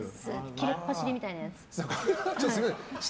切れっぱしみたいなやつ。